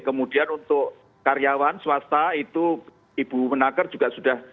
kemudian untuk karyawan swasta itu ibu menaker juga sudah